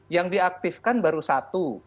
yang diaktifkan baru satu